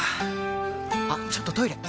あっちょっとトイレ！